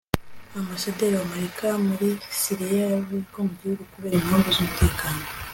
ambasaderi w'amerika muri siriya yavuye mu gihugu kubera impamvu z'umutekano